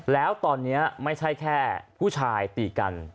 แล้วตอนนี้ไม่ใช่แค่ผู้ชายตีกัน